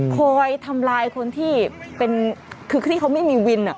คอยทำลายคนที่เป็นคือที่เขาไม่มีวิน